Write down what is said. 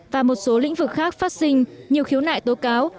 và một số lĩnh vực khác phát sinh nhiều khiếu nại tố cáo